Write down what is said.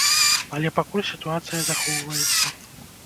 Але пакуль сітуацыя захоўваецца.